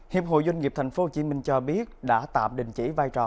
hiệp hội doanh nghiệp tp hcm cho biết đã tạm đình chỉ vai trò